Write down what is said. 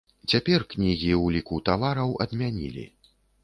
Цяпер кнігі ўліку тавараў адмянілі.